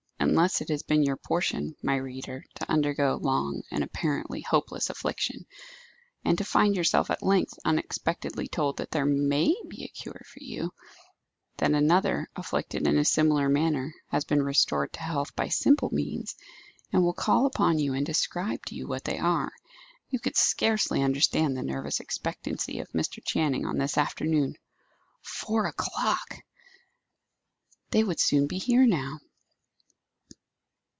Unless it has been your portion, my reader, to undergo long and apparently hopeless affliction, and to find yourself at length unexpectedly told that there may be a cure for you; that another, afflicted in a similar manner, has been restored to health by simple means, and will call upon you and describe to you what they were you could scarcely understand the nervous expectancy of Mr. Channing on this afternoon. Four o'clock! they would soon be here now.